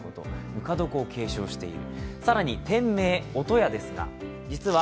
ぬか床を継承している。